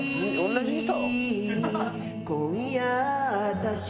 同じ人？